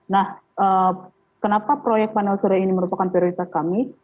nah kenapa proyek panel surya ini merupakan prioritas kami